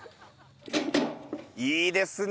いいですね